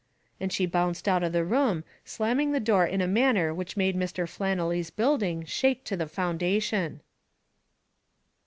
And she bounced out of the room, slamming the door in a manner which made Mr. Flannelly's building shake to the foundation.